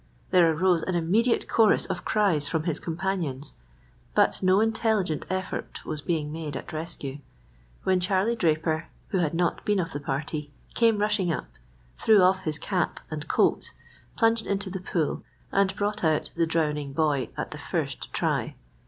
There arose an immediate chorus of cries from his companions, but no intelligent effort was being made at rescue, when Charlie Draper, who had not been of the party, came rushing up, threw off his cap and coat, plunged into the pool, and brought out the drowning boy at the first try.